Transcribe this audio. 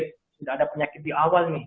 sudah ada penyakit di awal nih